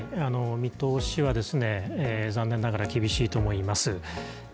見通しは残念ながら厳しいと思います。